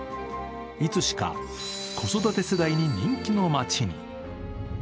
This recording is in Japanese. いつしか子育て世代に人気の街に。